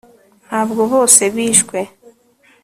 ntabwo bose bishwe